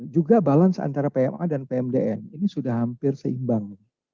juga balance antara pma dan pmdn ini sudah hampir seimbang